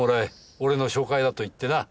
俺の紹介だと言ってな。